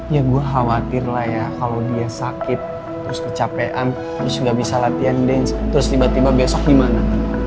ya gue khawatir lah ya kalau dia sakit terus kecapean terus nggak bisa latihan dance terus tiba tiba besok gimana